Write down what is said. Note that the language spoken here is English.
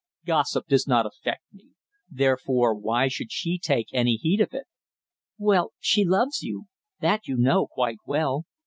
"Gossip does not affect me; therefore why should she take any heed of it?" "Well, she loves you. That you know quite well.